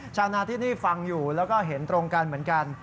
ชาวนาที่นี่ฟังอยู่แล้วก็เห็นตรงกันเหมือนกัน